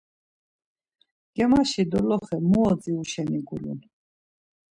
Germaşi doloxe mu odziru şeni gulun?